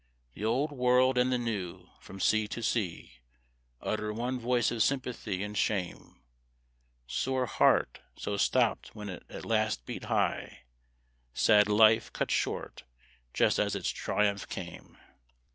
The Old World and the New, from sea to sea, Utter one voice of sympathy and shame. Sore heart, so stopped when it at last beat high! Sad life, cut short just as its triumph came!